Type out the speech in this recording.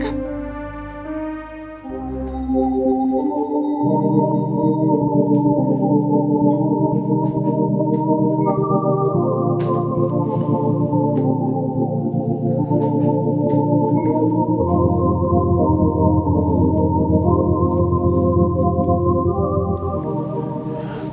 kepala rumah tangga